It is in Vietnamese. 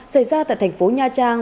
xảy ra tại thành phố nha trang